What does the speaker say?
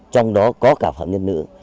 trong đó có cả phạm nhân nữ